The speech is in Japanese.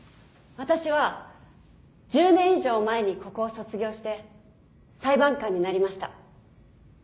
私は１０年以上前にここを卒業して裁判官になりました。